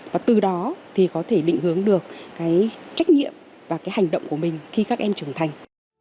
và từ đó thì có thể định hướng được cái trách nhiệm và cái hành động của mình khi các em trưởng thành